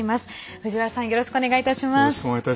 藤原さんよろしくお願いいたします。